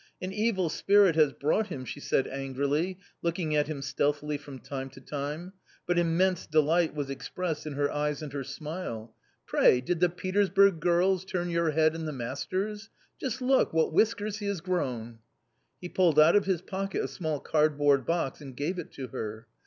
"An evil spirit has brought him/' she said angrily, look ing at him stealthily from time to time ; but immense delight was expressed in her eyes and her smile. " Pray, did the Petersburg girls .... turn your head and the master's? Just look, what whiskers he has grown !" He pulled out of his pocket a small card board box and gave it to her.